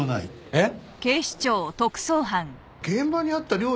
えっ？